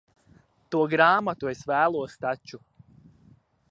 To grāmatu es vēlos taču.